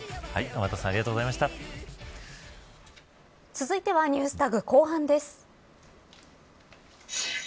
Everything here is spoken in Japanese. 天達さん続いてはＮｅｗｓＴａｇ後半です。